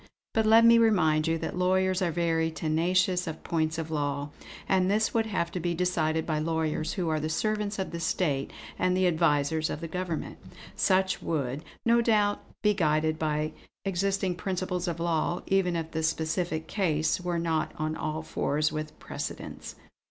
But let me remind you that lawyers are very tenacious of points of law, and this would have to be decided by lawyers who are the servants of the state and the advisers of the governments. Such would, no doubt, be guided by existing principles of law, even if the specific case were not on all fours with precedents.